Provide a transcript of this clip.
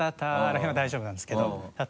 ら辺は大丈夫なんですけど。